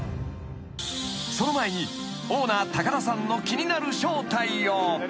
［その前にオーナー田さんの気になる正体を］